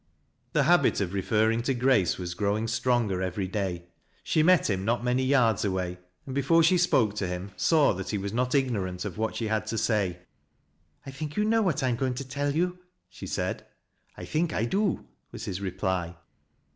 The habit of referring to Grace was growing stronger every day. She met him not many yards away, and before she spoke to him saw that he was not ignorant of what she had to say. " I think you know what I am going to tell you," she said. " I think I do," was his reply.